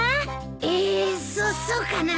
えそっそうかな？